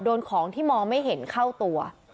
โดนของที่มองไม่เห็นเข้าตัว